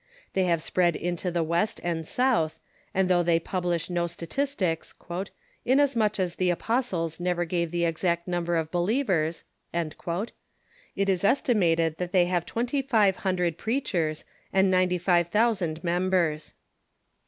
They have spread into the West and South, and though they pub lish no statistics (" inasmuch as the apostles never gave the exact number of believers"), it is estimated that they have twenty five hundred preachers and ninety five thousand mem bers.